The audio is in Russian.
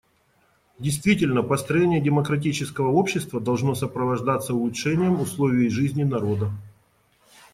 Действительно, построение демократического общества должно сопровождаться улучшением условий жизни народа.